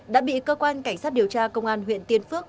đã bị cơ quan cảnh sát điều tra công an huyện tiên phước